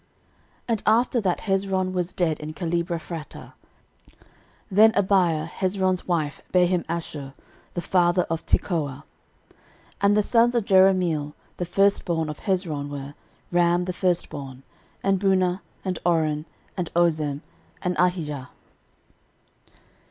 13:002:024 And after that Hezron was dead in Calebephratah, then Abiah Hezron's wife bare him Ashur the father of Tekoa. 13:002:025 And the sons of Jerahmeel the firstborn of Hezron were, Ram the firstborn, and Bunah, and Oren, and Ozem, and Ahijah.